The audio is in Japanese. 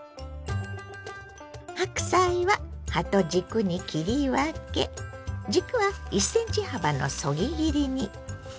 白菜は葉と軸に切り分け軸は１ｃｍ幅のそぎ切りに。